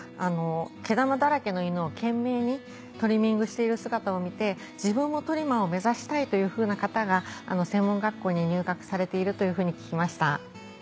毛玉だらけの犬を懸命にトリミングしている姿を見て自分もトリマーを目指したいというふうな方が専門学校に入学されているというふうに聞きました。